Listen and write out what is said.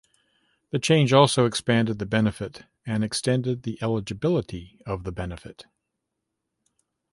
The change also expanded the benefit and extended the eligibility of the benefit.